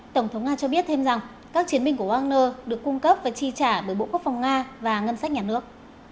tổng thống nga cho biết thêm rằng các chiến binh của wagner được cung cấp và chi trả bởi bộ quốc phòng nga và ngân sách nhà nước